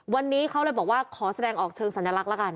วันนี้เขาเลยบอกว่าขอแสดงออกเชิงสัญลักษณ์ละกัน